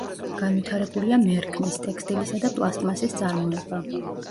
განვითარებულია მერქნის, ტექსტილისა და პლასტმასის წარმოება.